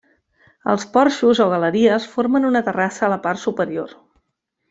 Els porxos o galeries formen una terrassa a la part superior.